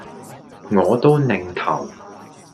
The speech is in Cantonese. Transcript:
我都擰頭